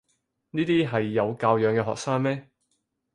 呢啲係有教養嘅學生咩？